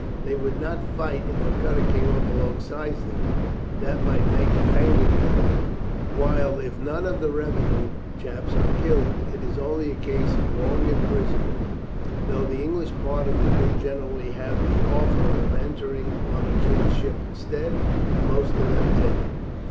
They would not fight if a cutter came up alongside them that might make a hanging matter of it, while if none of the revenue chaps are killed it is only a case of long imprisonment, though the English part of the crew generally have the offer of entering on a king's ship instead, and most of them take it.